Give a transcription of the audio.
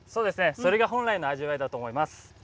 それが本来の味わいだと思います。